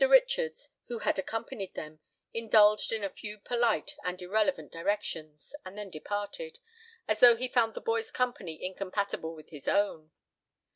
Richards, who had accompanied them, indulged in a few polite and irrelevant directions, and then departed, as though he found the boy's company incompatible with his own.